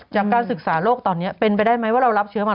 จากการศึกษาโรคตอนนี้เป็นไปได้ไหมว่าเรารับเชื้อมา